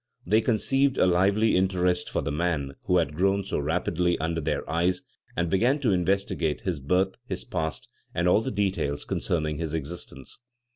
They conceived a lively interest for the man who had grown so rapidly under their eyes, and began to investigate his birth, his past and all the details concerning his existence.